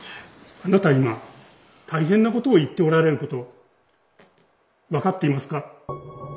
あなた今大変なことを言っておられること分かっていますか？